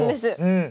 うん。